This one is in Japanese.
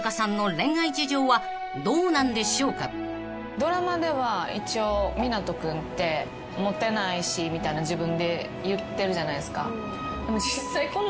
ドラマでは一応湊斗君って「モテないし」みたいな自分で言ってるじゃないですか。